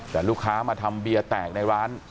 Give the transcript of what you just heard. แต่ลูกค้ามาทำเบียร์แตกในร้าน